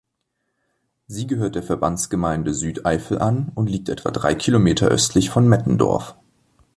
Sie gehört der Verbandsgemeinde Südeifel an und liegt etwa drei Kilometer östlich von Mettendorf.